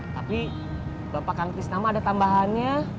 tapi bapak kangtisnak mah ada tambahannya